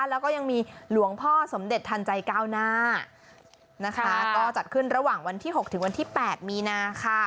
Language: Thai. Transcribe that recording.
แล้วก็ยังมีหลวงพ่อสมเด็จทันใจก้าวหน้านะคะก็จัดขึ้นระหว่างวันที่๖ถึงวันที่๘มีนาค่ะ